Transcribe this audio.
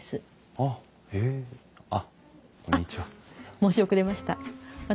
あっ申し遅れました。